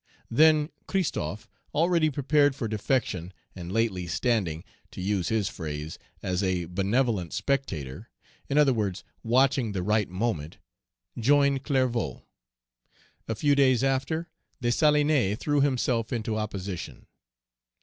Then Christophe, already prepared for defection, and lately standing, to use his phrase, as a benevolent spectator, in other words, watching the right moment, joined Clervaux. A few days after, Dessalines threw himself into opposition.